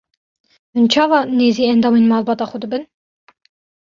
Hûn çawa nêzî endamên malbata xwe dibin?